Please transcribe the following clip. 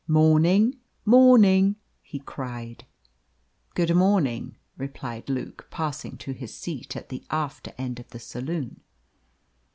"Morning morning!" he cried. "Good morning," replied Luke, passing to his seat at the after end of the saloon.